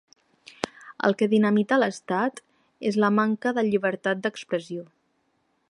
El que dinamita l’estat és la manca de llibertat d’expressió.